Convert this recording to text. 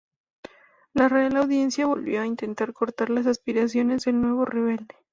La Real Audiencia volvió a intentar cortar las aspiraciones del nuevo rebelde.